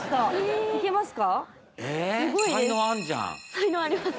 才能あります。